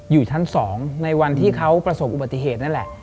อยู่ชั้น๒ในวันที่เขาประสบอุบัติเหตุนั่นแหละ